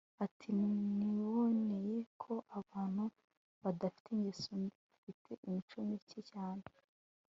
Ati Niboneye ko abantu badafite ingeso mbi bafite imico mike cyane